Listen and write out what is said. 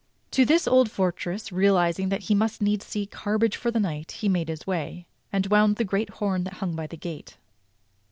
To this old fortress, realizing that he must needs seek harborage for the night, he made his way; and wound the great horn that hung by the gate.